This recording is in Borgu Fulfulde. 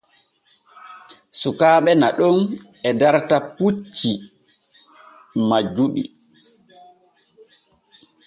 Sukaaɓe naɗon e darta puccu majjunu.